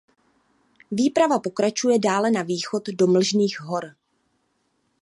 Výprava pokračuje dále na východ do Mlžných hor.